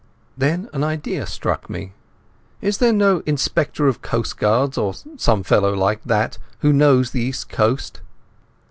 Then an idea struck me. "Is there no Inspector of Coastguards or some fellow like that who knows the East Coast?"